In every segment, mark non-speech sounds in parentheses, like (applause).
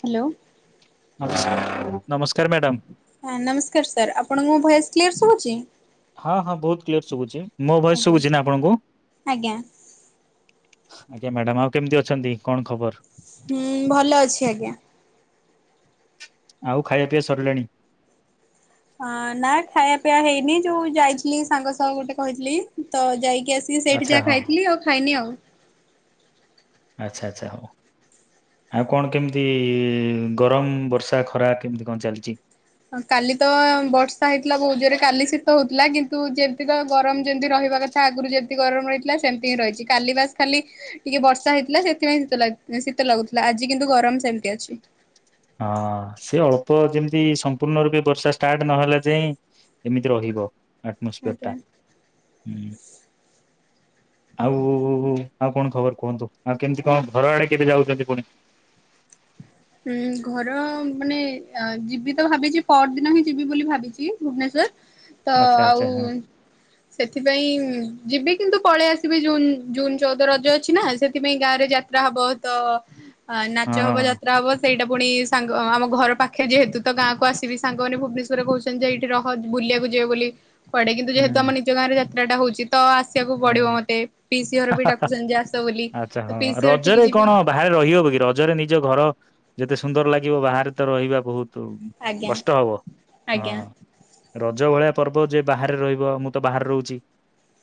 Hello. ନମସ୍କାର madam. ହଁ ନମସ୍କାର ସାର୍। ଆପଣଙ୍କୁ ମୁଁ ଭୟସ୍ କ୍ଲିୟର ଶୁଭୁଚି? ହଁ ହଁ ବହୁତ କ୍ଲିୟର ସୁଭୁଚି। ମୋ ଭଏସ ଆଜ୍ଞା। ଶୁୁଛି ନା ଆପଣଙ୍କୁ? ଆଜ୍ଞା ଆଜ୍ଞା ମ୍ୟାଡାମ। ଆଉ କେମିତି ଅଛନ୍ତି କଣ ଖବର? ହୁଁ ଭଲ ଅଛି ଆଜ୍ଞା। ଆଉ ଖାଇବା ପିଇବା ସରିଲାଣି? ଅ ନା ଖାଇବା ପିବା ହେଇନି ଯୋଉ ଯାଇଥିଲି ସାଙ୍ଗସହ ଗୋଟେ କହିଥିଲି ତ ଯାଇି କି ଆସିକି ସେଇଠି ଆଚ୍ଛା ଯାହା ହଁ ଖାଇଥିଲି ଆଉ ଖାଇନି ଆଉ। ଆଚ୍ଛା ଆଚ୍ଛା ହଉ। ଆଉ କଣ କେମିତି ଗରମ ବର୍ଷା ଖରା କେମିତି କଣ ଚାଲିଚି? କାଲି ତ ବର୍ଷା ହେଇଥିଲା ବୋଉ ଜରେ କାଲି ଶୀତ ହଉଥିଲା କି ତୁ ଯେମତି ତ ଗରମ ଯେମତି ରହିବା କଥା ଆଗରୁ ଯେମିତି ଗରମ ରହିଥିଲା ସେମିତି ହିଁ ରହିଚି। କାଲିିବାସ ଖାଲି ଟିକେ ବର୍ଷା ହେଇଥିଲା ସେଥିପାଇଁ ଶୀତ ଶୀତ ଲାଗୁଥିଲା ଆଜି କିନ୍ତୁ ଗରମ ସେମିତି ଅଛି। ହଁ ସେ ଅଳ୍ପ ଯେମିତି ସମ୍ପୂର୍ଣ୍ଣ ରୂପେ ବର୍ଷା ଷ୍ଟାର୍ଟ ନହେଲା ଯାଇଁ ଏମିତି ରହିବ। ଆଟମୋସ୍ପିୟରଟା ଆଜ୍ଞା। ହୁଁ। ଆଉ ଆଉ କଣ ଖବର କୁହନ୍ତୁ। ଆଉ କେମିତି କଣ ଘର ଆଡେ କେବେ ଯାଉଛନ୍ତି ପୁଣି? ହଁ ଘର ମାନେ ଯିବି ତ ଭାବିଚି। ପର ଦିନ ହିଁ ଯିବି ବୋଲି ଭାବିଚି ଭୁବନେଶ୍ୱର। ତ ଆଚ୍ଛା ଆଚ୍ଛା ଆଉ ହଁ ସେଥିପାଇଁ ଯିବି କିନ୍ତୁ ପଳେଇ ଆସିବି ଜୁନ ଜୁନ ଚଉଦ ରଜ ଅଛି ନା ସେଥିପାଇଁ ଗାଁ ରେ ଯାତ୍ରା ହବ। ତ ଅ ନାଚ ହବ ଯା ସେଇଟା ପୁଣି ସାଙ୍ଗ ଆମ ଘର ପାଖରେ ଯେହେତୁ ତ ଗାଁ କକୁ ଆସିବି ସାଙ୍ଗମାନୋନ ଭୁବନେଶ୍ଵରରେ କହୁଚନ୍ତି ଯେ ଏଇଠି ରହ ବୁଲିବାକୁ ଯିବେ ବୋଲି। ପଡ଼େ କିନ୍ତୁ ଯେହେତୁ ଆମ ନିଜ ଗାଁରେ ଜା ସେଟାହଉଛି। ହଁ ହା ବି ହା ହା ଡାକୁଛନ୍ତି ଯେ ଆସ ବୋଲି ଆଚ୍ଛା ତ ହଁ ପିଇସି ଘରଠିକି ରଜରେ ଯିବି କଣ ବାହାରେ ରହିହବ କି ରଜରେ ନିଜ ଘର। ଯେତେ ସୁନ୍ଦର ଲାଗିବ ବାହାରେ ତ ରହିବା ବହୁତ୍ ତୁ ଆଜ୍ଞା କଷ୍ଟ ହବ ଆଜ୍ଞା ହଁ ରଜ ଭଳିଆ। ପର୍ବ ଯେ ବାହାରେ ରହିବ ମୁଁ ତ ବାହାରେ ରହୁଛି।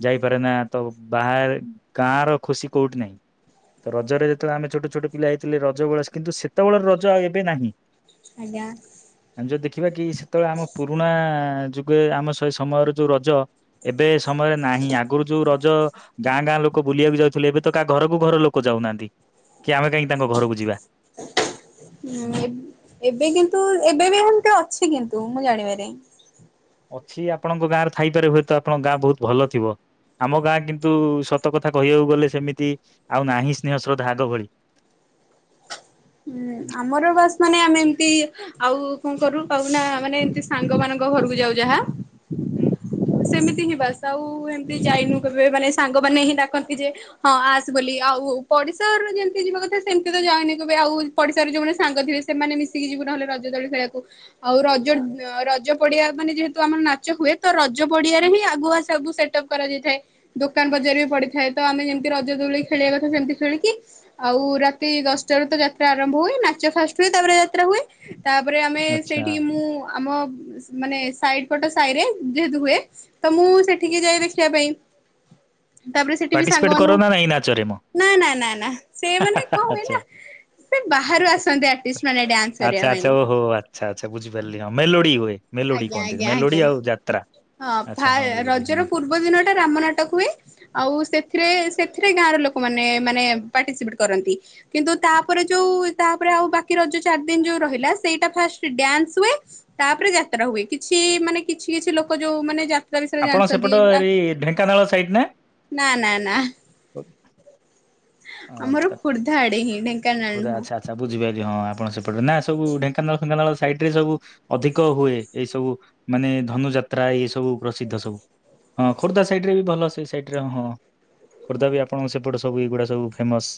ଯାଇପାରେ ନା ତ ବାହାରେ ଗାଁ ର ଖୁସି କୋଉଠି ନାହିଁ ତ ରଜରେ ଯେତେବେଳେ ଆମେ ଛୋଟ ଛୋଟ ପିଲା ହେଇଥିଲେ ରଜ ବେଳେ କିନ୍ତୁ ସେତେବେଳେର ରଜ ଆଉ ଏବେ ନାହିଁ। ଆଜ୍ଞା। ଆମେ ଯଦି ଦେଖିବା କି ସେତେବେଳେ ଆମ ପୁରୁଣା। ଯୁଗେ ଆମ ସେ ସମୟରେ ଯୋଉ ରଜ ଏବେ ଏ ସମୟରେ। ନାହିଁ ଆଗରୁ ଯୋଉ ରଜ ଗାଁ ଗାଁ ଲୋକ ବୁଲିବାକୁ ଯାଉଥିଲେ ଏବେ ତ କାହା ଘରକୁ ଘର ଲୋକ ଯାଉନାହାନ୍ତି। କି ଆମେ କାହିଁକି ତାଙ୍କ ଘରକୁ ଯିବା। ହୁଁ ଏବ ଏବେ କିନ୍ତୁ ଏବେ ବି ଏମିତି ଅଛି କିନ୍ତୁ। ତୁ ମୁଁ ଜାଣିବାରେ। ଅଛି ଆପଣଙ୍କ ଗାଁରେ ଥାଇପାରେ ହୁଏତ ଆପଣଙ୍କ ଗାଁ ବହୁତ ଭଲ ଥିବ ଆମ ଗାଁ କିନ୍ତୁ ସତ କଥା କହିବାକୁ ଗଲେ ସେମିତି ଆଉ ନାହିଁ ସ୍ନେହ ଶ୍ରଦ୍ଧା ଆାଗ ଭଳି। ହୁଁ ଆମର ବାସ ମାନେ ଆମେ ଏମତି ଆଉ। କଣ କରୁ ପାଉନା ମାନେ ଏମତି ସାଙ୍ଗ ମାନଙ୍କ ଘରକୁ ଯାଉ ଯାହା। ସେମିତି। ଏତିକି ବାସ ଆଉ ଏମତି ଯାଇନୁ କେବେ ମାନେ ସାଙ୍ଗ ମାନ ହିଁ ଡାକନ୍ତି ଯେ ହଁ ଆସ ବୋଲି ଆଉ ପଡିଶାରେ ଯେମତି ଯିବା କଥା ସେମିତି ତ ଯାଏନି। ଆଉ ପଡ଼ିଶାରେ ଯୋଉମାନେ ସାଙ୍ଗ ଥିବେ ସେମାନେ ମିଶିକି ଯିବୁ ନହେଲେ ରଜ ଦୋଳି ଖେଳିବାକୁ ଆଉ ରଜ ଅ ରଜ ପଡିଆ ମାନେ ଯେହେତୁ ଆମର ନାଚ ହୁଏ ତ ରଜ ପଡିଆରେ ହିଁ ଆଗୁଆ ସବୁ ସେଟ ଅପ୍ କରାଯାଇଥାଏ। ଦୋକାନ ବଜାର ବି ପଡିଥାଏ। ତ ଆମେ ଯେମିତି ରଜ ଦୋଳି ଖେଳିବା କଥା ସେମିତି ଖେଳିକି ଆଉ ରାତି ଦଶ। ଟାରୁ ତ ଯାତ୍ରା ଆରମ୍ଭ ହୁଏ ନାଚ ଫାଷ୍ଟ ହୁଏ ତାପରେ ଯାତ୍ରା ହୁଏ। ତାପରେ ଆମେ ଆଚ୍ଛା ସେଇଠି ମୁଁ ଆମ। ମାନେ ସାଇଡ ପଟ ସାହିରେ ଯେହେତୁ ହୁଏ ତ ମୁଁ ସେଠିକି ଯାଏ ଦେଖିବା ପାଇଁ। ତାପରେ ସେଠି ବି ପାର୍ଟିସିପେଟ କର ସାଙ୍ଗମାନଙ୍କୁ ନା ନାଇଁ ନାଚରେ ମ ନା ନା ନା ନା ସେ ମାନେ କଣ ହୁଏ ନା। ସେ ବାହାରୁ ଆସନ୍ତି ଆର୍ଟିଷ୍ଟ ମାନେ ଡ୍ୟାନ୍ସ କରିବା ଆଛା ପାଇଁ ଆଛା ଓହୋ ଆଛା ଆଛା ବୁଝିପାରିଲି ହଁ ମେଲୋଡି। ହୁଏ ମେଲୋଡି ଆଜ୍ଞା କହନ୍ତି ଆଜ୍ଞା ମେଲୋଡି ଆଜ୍ଞା ଆଉ ଯାତ୍ରା। ହଁ ଆଚ୍ଛା ଫା ହଁ ବୁଝିଲି ହଁ ରଜର ପୂର୍ବ ଦିନ ଟା ରାମ ନାଟକ ହୁଏ। ଆଉ ସେଥିରେ ସେଥିରେ ଗାଁର ଲୋକମାନେ ମାନେ ପାର୍ଟିସିପେଟ କରନ୍ତି କିନ୍ତୁ ତାପରେ ଯୋଉ ତାପରେ ଆଉ ବାକି ରଜ ଚାରି ଦିନ ଯୋଉ ରହିଲା ସେଇଟା ଫାଷ୍ଟ ଡ୍ୟାନ୍ସ ହୁଏ ତାପରେ ଯା ତ୍ରା ହୁଏ କିଛି ମାନେ କିଛି କିଛି ଲୋକ ଯୋଉ ମାନେ ଯାତ୍ ତ୍ରା। ବିସ ୟରେ ଆପଣ ସେପଟ ଜଣିଛନ୍ତି ଆକ୍ ଏଇ ଢେଙ୍କାନାଳ ନା ନା ନା। ହ (unintelligible) ଆମର ଖୋର୍ଦ୍ଧା ଆଡେ ହିଁ। ଢେଙ୍କାନାଳ ଖୋର୍ଦ୍ଧା ନୁହଁ। ଆଛା ଆଛା ବୁଝିପାଇଲି ହଁ। ଆପଣ ସେପଟରେ ନା ସବୁ ଢେଙ୍କାନାଳ ଫେଙ୍କାନାଳ ସାଇଡ ରେ ସବୁ ଅଧିକ ହୁଏ ଏଇ ସବୁ ମାନେ ଧନୁଯାତ୍ରା ଏଇ ସବୁ ପ୍ରସିଦ୍ଧ ସବୁ। ହଁ ଖୋର୍ଦ୍ଧା ସାଇଡ ରେ ବି ଭଲ। ସେ ସାଇଟରେ ହଁ। ଖୋର୍ଦ୍ଧା ବି ଆପଣଙ୍କ ସେପଟ ସବୁ ଏଗୁଡ଼ା ସବୁ ଫେମସ୍।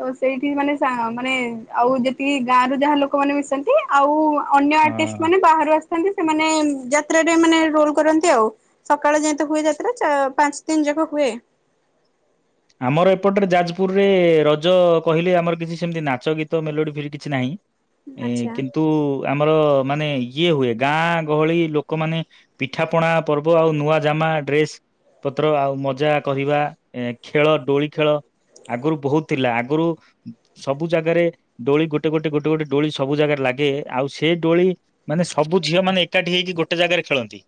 ତ ସେଇଠି ମାନେ ମାନେ ଆଉ ଯେତିକି ଗାଁ ର ଯାହା ଲୋକମାନେ ମିଶନ୍ତି ଆଉ ଅନ୍ୟ ଆର୍ଟିଷ୍ଟ ହଁ ମାନେ ବାହାରୁ ଆସ ସନ୍ତି ସେମାନେ ଯାତ୍ରାରେ ମାନେ ରୋଲ କରନ୍ତି ଆଉ ସକାଳେ ଯେହେତୁ ହୁଏ ଯାତ୍ରା ପାଞ୍ଚ ଦିନ ଯାକ ହୁଏ। ଆମର ଏପଟରେ ଯାଜପୁରରେ ରଜ କହିଲେ ଆମର କିଛି ସେମିତି ନାଚ ଗୀତ ମେଲୋଡି ଫେଲୋଡ଼ି କିଛି ନାହିଁ। ଏ ଆଚ୍ଛା କିନ୍ତୁ ଆମର ମାନେ ଇଏ ହୁଏ ଗାଁ ଗହଳି ଲୋକମାନେ ପିଠା ପଣା ପର୍ବ ଆଉ ନୂଆ ଜାମା ଡ୍ରେସ ପତ୍ର ଆଉ ମଜା କହିବା ଖେଳ ଡୋଳି ଖେଳ ଆଗରୁ ବହୁତ ଥିଲା ଆଗରୁ ସବୁ ଜାଗାରେ ଦୋଳି ଗୋଟେ ଗୋଟେ ଗୋଟେ ଗୋଟେ ଡୋଳି ସବୁ ଜାଗାରେ ଲାଗେ ଆଉ ସେଇ ଡୋଳି ମାନେ ସବୁ ଝିଅ ମାନେ ଏକାଠି ହେଇକି ଗୋଟେ ଜାଗାରେ ଖେଳନ୍ତି।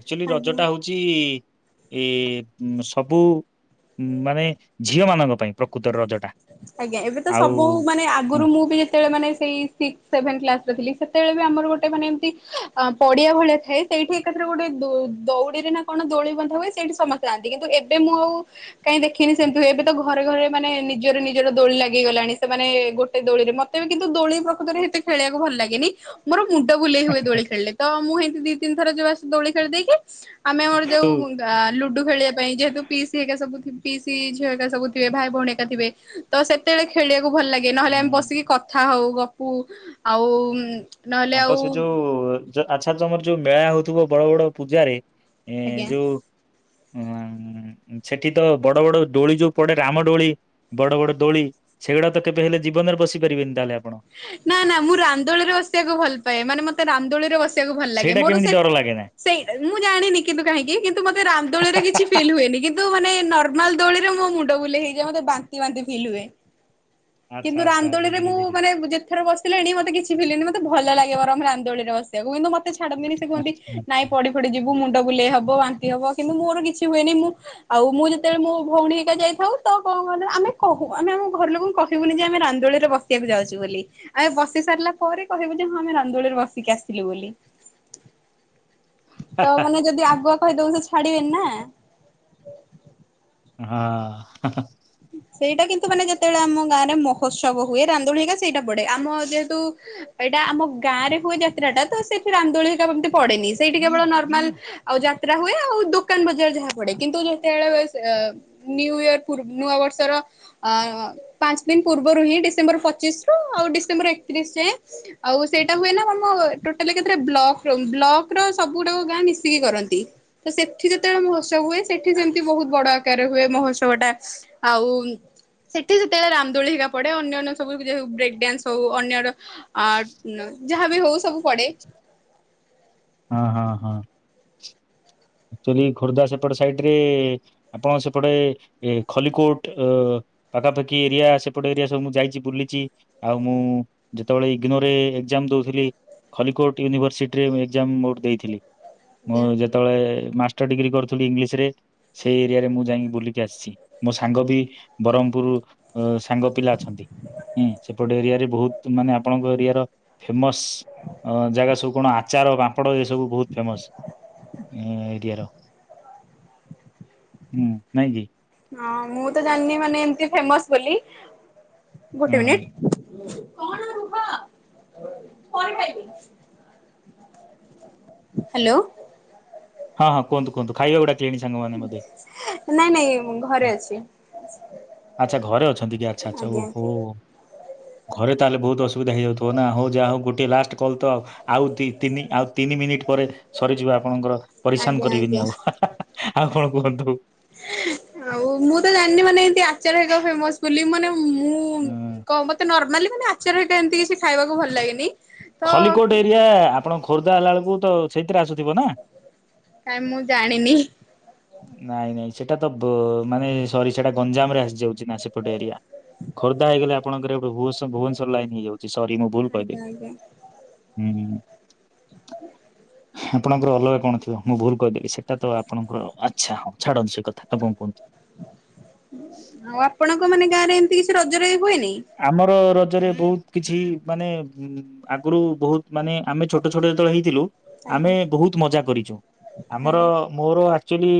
ଆକ୍ଚୁଆଲି ରଜ ଆଜ୍ଞା। ଟା ହଉଛି ଏ ସବୁ ଉଁ ମାନେ ଝିଅ ମାନଙ୍କ ପାଇଁ ପ୍ରକୃତରେ ରଜ ଆଜ୍ଞା ଏବେ ତ ସବୁ ମାନେ ହୁଁ ଆଗରୁ ମୁଁ ବି ଯେତେବେଳେ ମାନେ ସେଇ ସିକ୍ସ ସେଭେନ କ୍ଲାସରେ ଥିଲି ସେତେବେଳେ ବି ଆମର ର ଗୋଟେ ମାନେ ଏମତି ଅ ପଡିଆ ଭଳିଆ ଥାଏ ସେଇଠି ଏକାଥରେ ଗୋଟେ ଦଉଡିରେ ନା କଣ ଦୋଳି ବନ୍ଧା ହୁଏ ସେଇଠି ସମସ୍ତେ ଯାଆନ୍ତି କିନ୍ତୁ ଏବେ ମୁଁ ଆଉ କାହିଁ ଦେଖିନି ସେମିତି ହୁଏ ଏବେ ତ ଘରେ ଘରେ ମାନେ ନିଜର ନିଜର ଦୋଳି ଲାଗିଗଲାଣି ସେମାନେ ଗୋଟେ ଦୋଳିରେ ମତେ ବି କିନ୍ତୁ ଦୋଳି ପ୍ରକୃତରେ ସେତେ ଖେଳିବାକୁ ଭଲ ଲାଗେନି ମୋର ମୁଣ୍ଡ ବୁଲେଇ ହୁଏ ଦୋଳି ଖେଳିଲେ ତ ମୁଁ ଦି ତିନି ଥର ଯୋଉ ଆସେ ଦୋଳି ଖେଳି ଦେଇକି ଆମେ ଆମର ଯୋଉ ଲୁଡୁ ଖେଳିବା ପାଇଁ ଯେହେତୁ ପିଇସି ହେଇକା ସବୁ ଥିବେ ପିଇସି ଝିଅ ହେଇକା ସବୁ ଥିବେ ଭାଇ ଭଉଣୀ ହେକା ଥିବେ। ତ ସେତେବେଳେ ଖେଳିବାକୁ ଭଲ ଲାଗେ ନହେଲେ ଆମେ ହୁଁ, ବସିକି କଥା ହଉ ଗପୁ ଆଉ ନହେଲେ ତାଙ୍କ ଆଉ ସେ ଯୋଉ ଆଚ୍ଛା ତମର ଯୋଉ ମେଳା ହଉଥିବ ବଡ ବଡ ପୂଜାରେ ଏ ଆଜ୍ଞା। ଯୋଉ ହଁ ସେଠି ତ ବଡ ବଡ ଡୋଳି ଯୋଉ ପଡେ ରାମ ଡୋଳି ବଡ ବଡ ଦୋଳି ସେଗୁଡା ତ କେବେ ହେଲେ ଜୀବନରେ ବସି ପାରିବେନି ତାହେଲେ ଆପଣ। ନା ନା ମୁଁ ରାମଦୋଳିରେ ବସିବାକୁ ଭଲ ପାଏ ମାନେ ମତେ ରାମଦୋଳିରେ ବସି ବାକୁ ଭଲ ଲାଗେ ସେଇଟା ମୋର କେମିତି ସେଟ୍ ଡର ଲାଗେ ନା ସେଇ ମୁଁ ଜାଣିନି କିନ୍ତୁ କାହିଁକି କିନ୍ତୁ ମତେ ରାମଦୋଳିରେ କିଛି ଫିଲ୍ ହୁଏନି କିନ୍ତୁ କିନ୍ତୁ ମାନେ ନର୍ମାଲ ଦୋଳିରେ ମୋ ମୁଣ୍ଡ ବୁଲେଇ ହେଇଯାଏ ମତେ ବାନ୍ତି ବାନ୍ତି ଫିଲ୍ ହୁଏ। ଆଚ୍ଛା କିନ୍ତୁ ଆଚ୍ଛା ରାନ୍ଦୋଳିରେ ବୁଝିଲି ବୁଝିଲି। ମୁଁ ଯେତଥର ବସିଲେଣି ମତେ କିଛି ଫିଲ ହେଇନି ମୋତେ ଭଲ ଲାଗେ ବରଂ ରାମଦୋଳିରେ ବସିବାକୁ କିନ୍ତୁ ମତେ ମତେ ଛାଡନ୍ତିନି ସେ କୁହନ୍ତି ଆଚ୍ଛା। ନାଇଁ ପଡି ଫଡ଼ି ଯିବୁ ତୋ ମୁଣ୍ଡ ବୁଲେଇ ହବ ବାନ୍ତି ହବ କିନ୍ତୁ ମୋର କିଛି ହୁଏନି ମୁଁ ଆଉ ମୁଁ ଯେତେବେଳେ ମୋ ଭଉଣୀ ହେଇକା ଯାଇଥାଉ ତ କଣ କୁହନି ଆମେ କହୁ ଆମେ ଆମ ଘର ଲୋକଙ୍କୁ କହିବୁନି ଯେ ଆମେ ରାମଦୋଳିରେ ବସି ଆକୁ ଯାଉଛୁ ବୋଲି। ଆଉ ବସି ସାରିଲା ପରେ କହିବୁ ଯେ ହଁ ଆମେ ରାମଦୋଳି ରେ ବସିକି ଆସିଲୁ ବୋଲି। ତ ମାନେ ଯଦି ଆଗୁଆ କହିଦବୁ ତ ଛାଡିବେ ନା। ହଁ। ସେଇଟା କିନ୍ତୁ ମାନେ ଯେତେବେଳେ ଆମ ଗାଁ ରେ ମହୋତ୍ସବ ହୁଏ ରାମଦୋଳିହରିକା ସେଇଟା ପଡେ। ଆମ ଯେହେତୁ ଏଇଟା ଆମ ଗାଁ ରେ ହୁଏ ଯାତ୍ରା ଟା ତ ସେଇଠି ରାନ୍ଧୋଳି ହରିକା ପଡେନି। ସେଇଠି କେବଳ ନର୍ମାଲ ଆଉ ହୁଏ ଆଉ ଦୋକାନ ବଜାର ଯାହା ପଡେ କିନ୍ତୁ ଯେତେବେଳେ ଏ ନିଉ ୟେର୍ ପୂର୍ବ ନୂଆ ବର୍ଷର ଅ ପାଞ୍ଚ ଦିନ ପୂର୍ବରୁ ହିଁ ଡିସେମ୍ବର ପଚିଶ ରୁ ଆଉ ଡିସେମ୍ବର ଏକତିରିଶ ଯାଏଁ ଆଉ ସେଇଟା ହୁଏ ନା ଆମ ଟୋଟାଲି କେତେଟା ବ୍ଲକ ବ୍ଲକର ସବୁ ଗୁାକ ଗାଁ ମିଶିକି କରନ୍ତି ତ ସେଠି ଯେତେବେଳେ ମହୋତ୍ସବ ହୁଏ ସେଠି ସେମିତି ବହୁତ ବଡ ଆକାରରେ ହୁଏ ମହୋତ୍ସବ ଟା। ଆଉ ସେଠି ଯେତେବେଳେ ରାମଦୋଳି ହେଇିକା ପଡେ ଅନ୍ୟାନ୍ୟ ସବୁ ବ୍ରେକ୍ ଡ୍ୟାନ୍ସ ହଉ ଅନ୍ୟର ଆ ଯାହାବି ହଉ ସବୁ ପଡେ। ହଁ ହଁ ହଁ। ଏକ୍ଚୁଆଲି ଖୋର୍ଦ୍ଧା ସେପଟେ ସାଇଡ଼ରେ ଆପଣ ସେପଟେ ଏ ଖଲିକୋଟ ପାଖାପାଖି ଏରିଆ ସେପଟେ ଏରିଆ ସବୁ ମୁଁ ଯାଇଚି ବୁଲିଚି। ଆଉ ମୁଁ ଯେତେବେଳେ ଇଗନୋରେ ଏକ୍ଜାମ ଦେଉଥିଲି ଖଲିକୋଟ ୟୁନିଭର୍ସିଟିରେ ମୁଁ ଏକ୍ଜାମ ମୋଠ ଦେଇଥିଲି। ମୁଁ ଯେତେବେଳେ ମାଷ୍ଟର ଡିଗ୍ରୀ କରୁଥିଲି ଇଂଲିଶ ରେ ସେଇ ଏରିଆ ରେ ମୁଁ ଯାଇକି ବୁଲିକି ଆସିଚି। ମୋ ସାଙ୍ଗ ବି ବ୍ରହ୍ମପୁର ସାଙ୍ଗ ପିଲା ଅଛନ୍ତି ସେପଟେ ଏରିଆରେ ବହୁତ ମାନେ ଆପଣଙ୍କ ଏରିଆର ଫେମସ୍ ଜାଗା ସବୁ କଣ ଆଚାର ପାମ୍ପଡ଼ ଏ ସବୁ ବହୁତ ଫେମସ। ଇଏ ର ହୁଁ ନାଇଁ କି? ହଁ ମୁଁ ତ ଜାଣିନି ମାନେ ଏମତି ଫେମସ ବୋଲି ଗୋଟେ ହୁଁ ମିନିଟ କଣ ରୁହ ପରେ ଖାଇବି। ହାଲୋ। ହଁ ହଁ କୁହନ୍ତୁ ଖାଇବାକୁ ଡାକି ଲେଣି ସାଙ୍ଗମାନେ ବୋଧେ। ନାଇଁ ନାଇଁ ଘରେ ଅଛି ଆଚ୍ଛା ଘରେ ଅଛନ୍ତି କି ଆଚଛା ଆଛା ଓ ଆଜ୍ଞା ହୋ। ଆଜ୍ଞା ଘରେ ତାହେଲେ ବହୁତ ଅସୁବିଧା ହେଇଯାଉଥିବ ନା ହଉ ଯାହା ହଉ ଗୋଟେ ଲାଷ୍ଟ କଲ ତ। ଆଉ ଦି ତିନି ଆଉ ତିନି ମିନିଟ ପରେ ସରିଯିବା ଆପଣଙ୍କର। ଆଜ୍ଞା କରିବିନି ଆଜ୍ଞା। ଆଉ। ଆଉ କଣ କୁହନ୍ତୁ ହୁଁ। ଆଉ ମୁଁ ତ ଜାଣିନି ମାନେ ଏମତି ଚାଲେ ଫେମସ ବୋଲି ମନ। ମୁଁ କଣ ମତେ ନର୍ମାଲି ମାନେ ଆଚାର ଏଇଟ ଏମିତି କିଛି ଖାଇବାକୁ ଭଲ ଲାଗେନି। ତ ଖଲ୍ଲିକୋଟ ଏରିଆ ଆପଣଙ୍କ ଖୋର୍ଦ୍ଧା ହେଲା ବେଳକୁ ତ ସେ କାଇଁ ମୁଁ ଜାଣିନି। ନାଇଁ ନାଇଁ ସେଟା ତ ବ ମାନେ ସରି ସେଟା ଗଞ୍ଜାମ ରେ ଆସିଯାଉଚି। ଚି ନା ସେପଟେ ଏରିଆ ଖୋର୍ଦ୍ଧା ହେଇଗଲେ। ଆପଙ୍କର ଭୁବନ୍ସ ଭୁବନେଶ୍ୱର ଲାଇନ୍ ହେଇଯାଉଚି। ସରି ମୁଁ ଭୁଲ କହିଲି। ଆଜ୍ଞା ଆଜ୍ଞା ଆପଣଙ୍କର ଅଲଗା କଣ ଥିବ ମୁଁ ଭୁଲ କହିଦେବ ସେଟା ତ ଆପଣଙ୍କର ଆଚ୍ଛା ହଁ ଛାଡନ୍ତୁ ସେ କଥା ଆପଣ କୁହନ୍ତୁ। ଆଉ ଆପଣଙ୍କ ମାନେ ଗାଁ ରେ ଏମତି କିଛି ରଜରେ ହୁଏନି? ଆମର ର ରଜରେ ବହୁତ କିଛି ମାନେ ଆଗରୁ ବହୁତ ମାନେ ଆମେ ଛୋଟ ଛୋଟ ଯେତେବେଳେ ହେଇଥିଲୁ ଆଜ୍ଞା। ଆମେ ବହୁତ ମଜା କରିଛୁ ଆମର ଆଜ୍ଞା ମୋର ଆଚ୍ୟୁଆଲି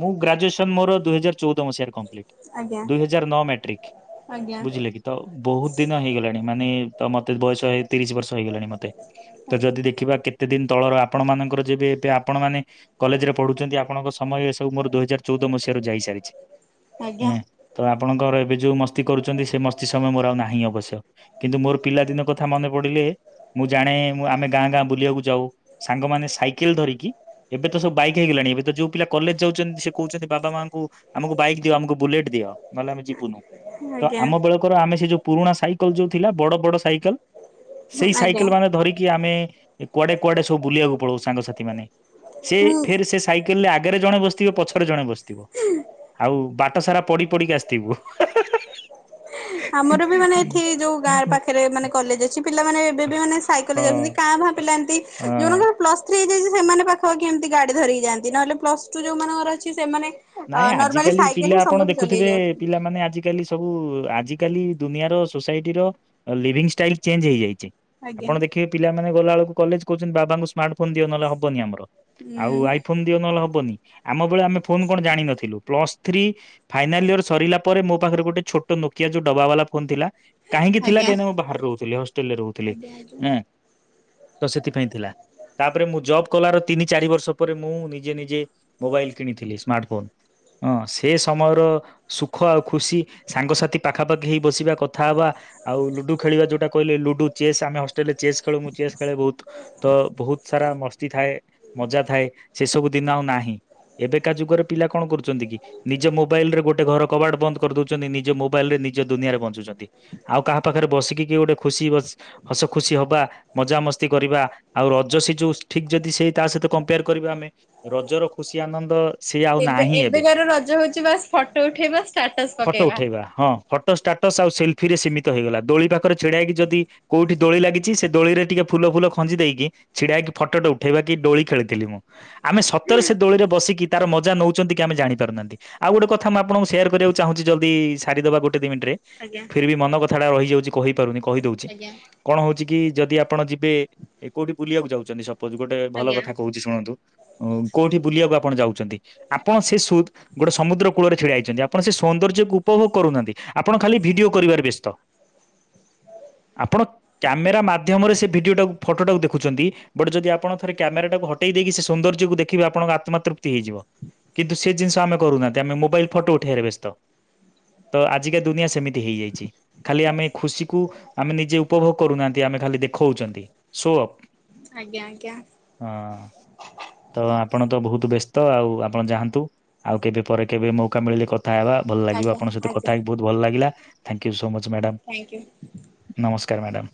ମୁଁ ଗ୍ରାଜୁଏସନ ମୋର ଦୁଇହଜାର ଚଉଦ ମସିହା ରେ କ ଆଜ୍ଞା ଦୁଇ ହଜାର ନଅ ମ୍ୟାଟ୍ରିକ। ଆଜ୍ଞା ବୁଝିଲେ କି ତ ବହୁତ ଦିନ ହେଇଗଲାଣି। ମାନେ ତ ମତେ ବୟସ ହେଇ ତିରିଶ ବର୍ଷ। ଉର୍ଦ୍ଧ ହେଇ ଗଲାଣି ମୋତେ ଆଜ୍ଞା ଯଦି ଦେଖିବା କେତେ ଦିନ ତଳର ଆପଣ ମାନଙ୍କର ଯେବେ ଏବେ ଆପଣମାନେ କଲେଜ ରେ ପଢୁଛନ୍ତି ଆପଣଙ୍କ ସମୟ ଏ ସବୁ ମୋର ଦୋ ହାର ଚଉଦ ମସିହାରୁ ଯାଇ ସାରିଛି ଆଜ୍ଞା ତ ଆପଣଙ୍କର ଏବେ ଯୋଉ ମସ୍ତି କରୁ ଛନ୍ତି ସେ ମସ୍ତି ସମୟ ମୋର ଆଉ ନାହିଁ ଅବଶ୍ୟ କିନ୍ତୁ ମୋର ପିଲା ଦିନ କଥା ମନେ ପଡିଲେ ମୁଁ ଜାଣେ ମୁଁ ଆମେ ଗାଁ ଗାଁ ବୁଲିବାକୁ ଯାଉ ସାଙ୍ଗମାନେ ସାଇକେଲ ଧରିକି ଏବେ ତ ସବୁ ବାଇକ୍ ହେଇଗଲାଣି ଏବେ ତ ଯୋଉ ପିଲା କଲେଜ ଯାଉଛନ୍ତି ସେ କହୁଛନ୍ତି ବାବା ମାଙ୍କୁ ଆମକୁ ବାଇକ ଦିଅ ଆମକୁ ବୁଲେଟ୍ ଦିଅ ନହେଲେ ଆମେ ଯିବୁନୁ। ଆଜ୍ଞା। ତ ଆଜ୍ଞା। ଆମ ବେଳକର ଆମେ ସେ ଯୋଉ ପୁରୁଣା ସାଇକେଲ ଯୋଉ ଥିଲା ବଡ ବଡ ସାଇକେଲ। ହୁଁ ସେଇ ଆଜ୍ଞା ସାଇକେଲ ମାନେ ଧରିକି ଆମେ କୁଆଡେ କୁଆଡେ ସବୁ ବୁଲିବାକୁ ପଳଉ। ସାଙ୍ଗସାଥି ମାନେ ସେ ହୁଁ। ଫେର ସେ ସାଇକେଲରେ ଆଗ ଆଗରେ ଜଣେ ବସିଥିବେ ପଛରେ ଜଣ ବସ ଆଉ ବା ବାଟସାରା ପଡି ପଡିକି ଆସିଥିବୁ ହେ ହେ ହେ। ଆମର ବି ମାନେ ଏଠି ଯୋଉ ଗାଁ ପାଖରେ ମାନେ କଲେଜ ଅଛି ପିଲାମାନେେ ଏବେ ବି ମାନେ ସାଇକେଲରେ ଯାଉଛନ୍ତି ହଁ। କାଁ ଭା ପିଲାନ୍ତି ଯୋଉ ହଁ। ମଙ୍କର ପ୍ଲସଥ୍ରୀ ହେଇଯାଇଛି ସେମାନେ ପାଖାପାଖି କେମିତି ଗାଡି ଧରିକି ଯାଆନ୍ତି। ନହେଲେ ପ୍ଲସଟୁ ଯୋଉ ମାନଙ୍କର ଅଛି ସେମାନେ ନାଇଁ ନର୍ମାଲି ଆଜିକାଲି ସାଇକେଲ ପିଲା ହିଁ ଆପଣ ସମସ୍ତେ ଚଲେଇ ଦେଖୁଥିବେ ଯାଉଛନ୍ତି। ପିଲାମାନେ ଆଜିିକାଲି ସବୁ ଆଜିିକାଲି ଦୁନିଆର ସୋସାଇଟି ର ଲିଭିଙ୍ଗ ଷ୍ଟାଇଲ ଚେଞ୍ଜ ହେଇଯାଇଛି। ଆଜ୍ଞା ଆପଣ ଦେଖିବେ ପିଲା ମାନେ ଗଲାବେକୁ କଲେଜ କହୁଛନ୍ତି ବାବାଙ୍କୁ ସ୍ମାର୍ଟଫୋନ ଦିଅ ନହେଲେ ହବନି ଆମର। ହୁଁ ଆଉ ଆଇ ଫୋନ ଦିଅ ନହେଲେ ହବନି। ଆମବେଳେ ଆମେ ଫୋନ କଣ ଜାଣିିନଥିଲୁ ପ୍ଲସ୍ଥ୍ରୀ ଫାଇନାଲ ଇର ସରିଲା ପରେ ମୋ ପାଖରେ ଗୋଟେ ଛୋଟ ନୋକିଆ ଯୋ ଡବା ବାଲା ଫୋନ ଥିଲା। କାହିଁକି ଥିଲା ଆଜ୍ଞା କାହିଁକି ନା ମୁଁ ବାହାରେ ରହୁଥିଲି ହଷ୍ଟେଲରେ ରହୁଥିଲିଁ ଆଜ୍ଞା ଆଜ୍ଞା। ତ ଉଁ ସେଥିପାଇଁ ଥିଲା। ତାପରେ ମୁଁ ଜବ କଲାର ତିନି ଚାରି ବର୍ଷ ପରେ ମୁଁ ନିଜେ ନିଜେ ମୋବାଇଲ କିଣିଥିଲି? ସ୍ମାର୍ଟ ଫୋନ ହଁ ସେ ସମୟର ସୁଖ ଆଉ ଖୁସି ସାଙ୍ଗସାଥି ପାଖାପାଖି ହେଇ ବସିବା କଥା ହବା ଆଉ ଲୁଡୁ ଖେଳିବା। ଯୋଉଟା କହିଲେ ଲୁଡୁ ଚେସ୍ ଆମେ ହଷ୍ଟେଲ୍ ରେ ଚେସ୍ ଖେଳୁୁ ମୁଁ ଚେସ୍ ଖେଳେ ବହୁତ। ତ ବହୁତ ସାରା ମସ୍ତି ଥାଏ ମଜା ଥାଏ ସେସବୁ ଦିନ ଆଉ ନାହିଁ। ଏବେ ଏକା ଯୁଗରେ ପିଲା କଣ କରୁଚନ୍ତି କି ନିଜ ମୋବାଇଲ୍ ରେ ଗୋଟେ ଘର କବାଟ ବନ୍ଦ କରିଦଉଚନ୍ତି। ନିଜ ମୋବାଇଲ୍ ରେ ନିଜ ଦୁନିଆରେ ବଞ୍ଚୁଚନ୍ତି। ଆଉ କାହା ପାଖରେ ବସିକି କି ଗୋଟେ ଖୁସି ବସ୍ ହସ ଖୁସି ହବା ମଜାମସ୍ତି କରିବା, ଆଉ ରଜ ସେ ଯୋଉ ଠିକ ଯଦି ସେଇ ତା ସହିତ କମ୍ପେୟାର କରିବା ଆମେ ରଜର ଖୁସି ଆନନ୍ଦ ସେ ଆଉ ଏବେ ନାହିଁ ଏବେ କାର ରଜ ହଉଛି ବାସ ଫଟୋ ଉଠେଇବା ଷ୍ଟାଟସ ପକେଇବା। ଫଟସ ଆଉ ସେଲଫିରେ ସୀମିତ ହେଇଗଲା। ଦୋଳି ପାଖରେ ଛିଡାଇକି ଯି କୋଉଠି ଦୋଳି ଲାଗିଛି ସେ ଦୋଳିରେ ଟିକେ ଫୁଲ ଫୁଲ ଖଞ୍ଜି ଦେଇକି ଛିଡାଇକି ଫଟୋଟା ଉଠେଇବା କି ଡୋଳି ଖେଳିଥିଲି ମୁଁ। ଆମେ ସତରେ ସେ ଦୋଳିରେ ବସିକି ନଉଛନ୍ତି କି ଆମେ ଜାଣି ପାରୁନାହାନ୍ତି। ଆଉ ଗୋଟେ କଥା ମୁଁ ଆପଣଙ୍କୁ ସେୟାର କରିବାକୁ ଚାହୁଁଛି। ଜଲଦି ସାରିଦବା ଗୋଟେ ଦି ମିନିଟରେ ଆଜ୍ଞା ଫିର୍ ବି ମନ କଥା ଟା ରହିଯାଉଛି। ଛିକହି। ପାରୁନି କହିଦଉଚି, ଆଜ୍ଞା କଣ ହଉଚି କି ଯଦି ଆପ ଆପଣ ଯିବେ ଏ କୋଉଠି ବୁଲିବାକୁ ଯାଉଛନ୍ତି। ସ ଉଛି ଗୋଟେ ଭଲ ଆଜ୍ଞା କଥା କହୁଛି ଶୁଣନ୍ତୁ। କୋଉଠି ବୁଲିବାକୁ ଆପଣ ଯାଉ ଛନ୍ତି, ଆପଣ ସେ ସୁ ଗୋଟେ ସମୁଦ୍ର କୂଳରେ ଛିଡା ହେଇଛନ୍ତି। ଆପଣ ସେ ସୌନ୍ଦର୍ଯ୍ୟକୁ ଉପଭୋଗ କରୁନାହାନ୍ତି। ଆପଣ ଖାଲି ଭିଡିଓ କରିବାରେ ବ୍ୟସ୍ତ, ଆପଣ କ୍ୟାମେରା ମାଧ୍ୟମରେ ସେ ଭିଡିଓ ଟାକୁ ଫଟୋଟାକୁ ଦେଖୁଛନ୍ତି। ଗୋଟେ ଯଦି ଆପଣ ଥରେ କ୍ୟାମେରାଟାକୁ ହଟେଇ ଦେଇକି ସେ ସୌନ୍ଦର୍ଯ୍ୟକୁ ଦେଖିବେ। ଆପଣଙ୍କ ଆତ୍ମାତ୍ରୁ ତି ହେଇଯିବ। କିନ୍ତୁ ସେ ଜିନିଷ ଆମେ କରୁନାହାନ୍ତି, ଆମେ ମୋବାଇଲ ଫଟୋ ଉଠେଇ ବାରେ ବ୍ୟସ୍ତ, ତ ଆଜିକା ଦୁନିଆ ସେମିତି ହେଇଯାଇଛି। ଖାଲି ଆମେ ଖୁସିକୁ ଆମେ ନିଜେ ଉପଭୋଗ କରୁନାହାନ୍ତି ଆମେ ଖାଲି ଦେଖଉଛନ୍ତି। ସୋ ଅପ୍। ଆଜ୍ଞା ଆଜ୍ଞା ହଁ ତ ଆପଣ ତ ବହୁତ ବେସ୍ ତ ଆଉ ଆପଣ ଯାଆନ୍ତୁ। ଆଉ କେବେ ପରେ କେବେ ମୌକା ମିଳିଲେ କ କଥା ହେବା ଭଲ ଲାଗିବ ଆଜ୍ଞା ଆପଣଙ୍କ ସହିତ କଥା ଆଜ୍ଞା ହେଇକି ବହୁତ ଭଲ ଲାଗିଲା। Thank you so much. Madam thank you. ନମସ୍କ ନମସ୍କାର ମ୍ୟାଡ଼ାମ।